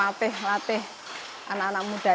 beberapa keluarga yang sudah